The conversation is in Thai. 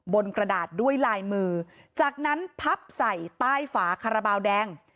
กระดาษด้วยลายมือจากนั้นพับใส่ใต้ฝาคาราบาลแดง